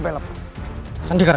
kau sudah menyerang pancacaran